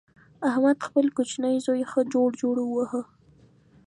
احمد خپل کوچنۍ زوی ښه جوړ جوړ وواهه.